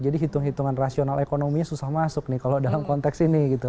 jadi hitung hitungan rasional ekonominya susah masuk nih kalau dalam konteks ini gitu